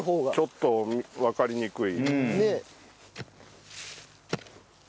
ちょっとわかりにくい。